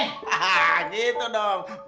hah gitu dong